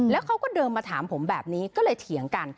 แล้วเขาก็เดินมาถามผมแบบนี้ก็เลยเถียงกัน